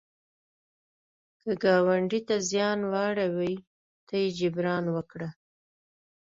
که ګاونډي ته زیان واړوي، ته یې جبران وکړه